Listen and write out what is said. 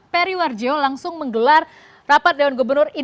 peri warjio langsung menggelar rapat daun gubernur